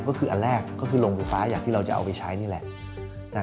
ก็คืออันแรกก็คือโรงไฟฟ้าอย่างที่เราจะเอาไปใช้นี่แหละ